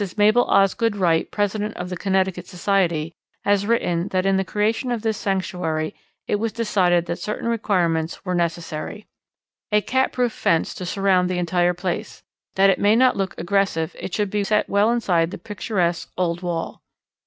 Mabel Osgood Wright, President of the Connecticut Society, has written that in the creation of this sanctuary it was decided that certain requirements were necessary: "A cat proof fence to surround the entire place. That it may not look aggressive, it should be set well inside the picturesque old wall.